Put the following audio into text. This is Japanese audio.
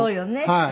はい。